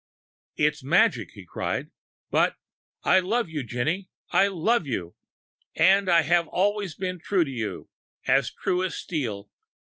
"It's magic," he cried, "but I love you, Jinny I love you and and I have always been true to you as true as steel.